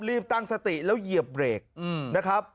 ตั้งสติแล้วเหยียบเบรกนะครับ